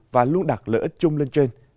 và luôn đặt lợi ích chung lên trên